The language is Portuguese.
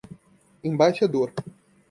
embaixador